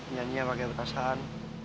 nyanyinya pakai perasaan